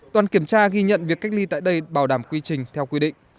đoàn kiểm tra ghi nhận việc cách ly tại đây bảo đảm quy trình theo quy định